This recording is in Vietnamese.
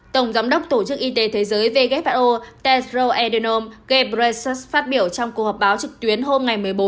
tổng giám đốc tổ chức y tế thế giới who tedros adhanom ghebreyesus phát biểu trong cuộc họp báo trực tuyến hôm một mươi bốn một mươi hai